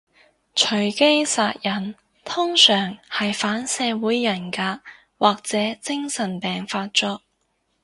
隨機殺人通常係反社會人格或者精神病發作